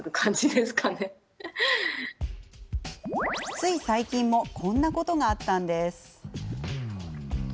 つい最近もこんなことがあったんです。